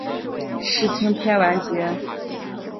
世青篇完结。